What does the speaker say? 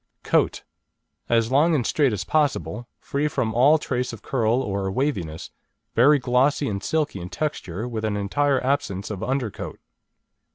COAT As long and straight as possible, free from all trace of curl or waviness, very glossy and silky in texture, with an entire absence of undercoat.